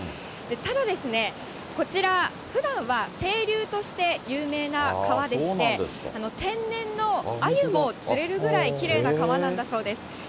ただですね、こちら、ふだんは清流として有名な川でして、天然のアユも釣れるぐらいきれいな川なんだそうです。